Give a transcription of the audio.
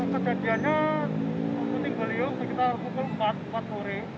kejadiannya puting beliung sekitar pukul empat empat sore